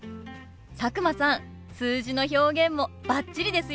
佐久間さん数字の表現もバッチリですよ。